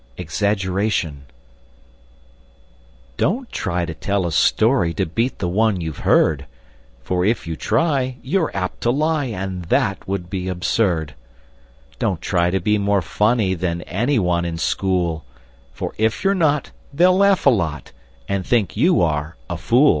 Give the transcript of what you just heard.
[Illustration: Exaggeration] EXAGGERATION Don't try to tell a story To beat the one you've heard; For if you try, you're apt to lie, And that would be absurd! Don't try to be more funny Than any one in school; For if you're not, they'll laugh a lot, And think you are a fool!